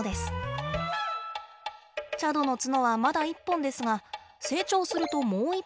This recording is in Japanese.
チャドの角はまだ一本ですが成長するともう一本。